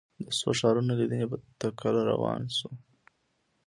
د څو ښارونو لیدنې په تکل روان شوو.